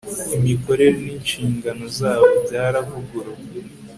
imikorere n'inshingano zabo byaravuguruwe